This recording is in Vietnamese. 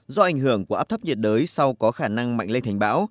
do ảnh hưởng của áp thấp nhiệt đới sau có khả năng mạnh lên thành bão